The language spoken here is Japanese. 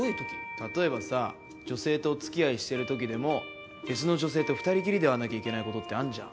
例えばさ女性とお付き合いしてる時でも別の女性と２人きりで会わなきゃいけないことってあんじゃん。